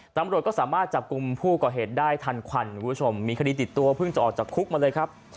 ตำรวจก็สามารถจับกลุ่มผู้ก่อเหตุได้ทันควันคุณผู้ชมมีคดีติดตัวเพิ่งจะออกจากคุกมาเลยครับ